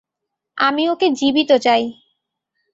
আমি ওকে জীবিত চাই।